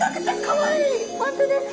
本当ですか？